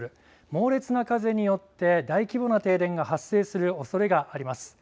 猛烈な風によって大規模な停電が発生するおそれがあります。